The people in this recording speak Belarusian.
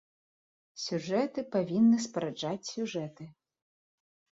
Сюжэты павінны спараджаць сюжэты.